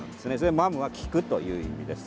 マムは菊という意味です。